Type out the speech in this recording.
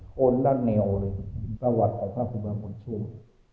โกนแล้วเหนียวเลยเป็นประวัติของพระพุทธมนต์ทุกข์